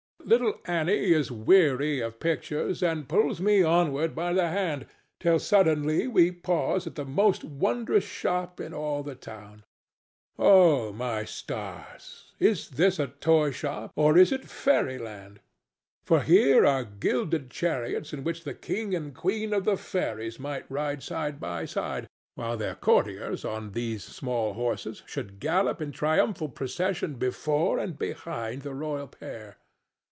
Little Annie is weary of pictures and pulls me onward by the hand, till suddenly we pause at the most wondrous shop in all the town. Oh, my stars! Is this a toyshop, or is it fairy land? For here are gilded chariots in which the king and queen of the fairies might ride side by side, while their courtiers on these small horses should gallop in triumphal procession before and behind the royal pair.